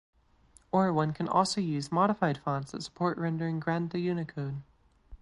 Or one can also use modified fonts that support rendering Grantha Unicode.